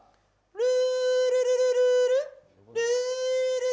ルールルルルール。